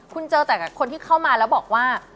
คุณเจอแต่คนที่เข้ามาแล้วบอกว่า